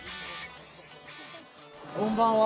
こんばんは。